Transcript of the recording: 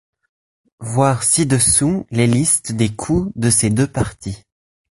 Voir ci-dessous les listes des coups de ces deux parties.